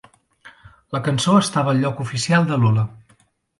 La cançó estava al lloc oficial de Lola.